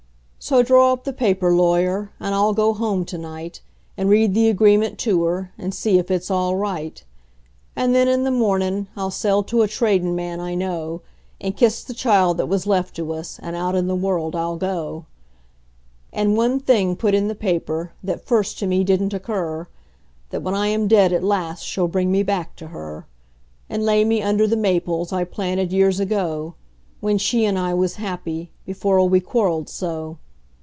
So draw up the paper, lawyer, and I'll go home to night, And read the agreement to her, and see if it's all right; And then, in the mornin', I'll sell to a tradin' man I know, And kiss the child that was left to us, and out in the world I'll go. And one thing put in the paper, that first to me didn't occur: That when I am dead at last she'll bring me back to her; And lay me under the maples I planted years ago, When she and I was happy before we quarreled so.